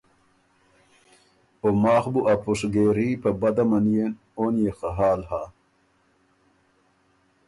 او ماخ بُو ا پُشګېري په بده منيېن اون يې خه حال هۀ۔